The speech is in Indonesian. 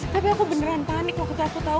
tapi aku beneran panik waktu aku tahu